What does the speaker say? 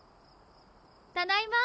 ただいま！